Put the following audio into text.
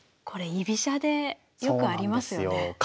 これ居飛車でよくありますよね。